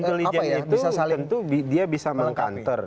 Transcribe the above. intelijen itu tentu dia bisa mengkantor